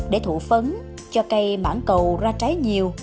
để thụ phấn cho cây mãng cầu ra trái nhiều